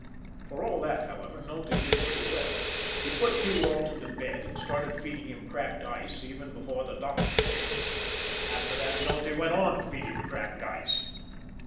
For all that, however, Nulty did pretty well. He put P. Walton to bed, and started feeding him cracked ice even before the doctor came after that Nulty went on feeding cracked ice.